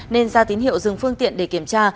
nên ra tín hiệu dừng phương tiện để kiểm tra